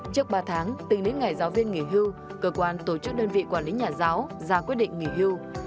trước ba tháng tính đến ngày giáo viên nghỉ hưu cơ quan tổ chức đơn vị quản lý nhà giáo ra quyết định nghỉ hưu